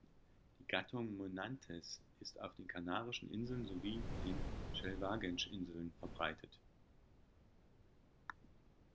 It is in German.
Die Gattung "Monanthes" ist auf den Kanarischen Inseln sowie den Selvagens-Inseln verbreitet.